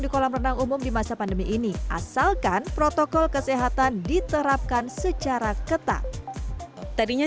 kolam renang umum di masa pandemi ini asalkan protokol kesehatan diterapkan secara ketat tadinya